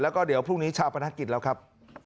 แล้วก็เดี๋ยวพรุ่งนี้ชาวประนักกิจแล้วครับ